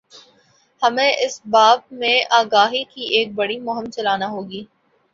ہمیں اس باب میں آگاہی کی ایک بڑی مہم چلانا ہو گی۔